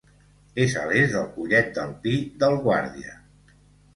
És a l'est del Collet del Pi del Guàrdia.